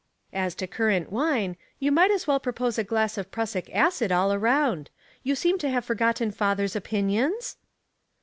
As to currant wine, you might as well propose a glass of prussic acid all around. You seem to have iorgotten father's opinions?"